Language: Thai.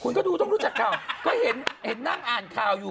คุณก็ดูต้องรู้จักข่าวก็เห็นนั่งอ่านข่าวอยู่